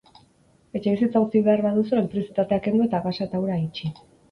Etxebizitza utzi behar baduzu, elektrizitatea kendu eta gasa eta ura itxi.